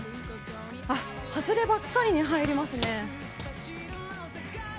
外ればかりはいりますね。